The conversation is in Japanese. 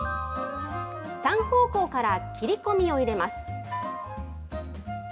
３方向から切り込みを入れます。